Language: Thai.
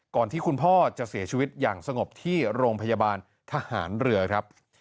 ที่คุณพ่อจะเสียชีวิตอย่างสงบที่โรงพยาบาลทหารเรือครับ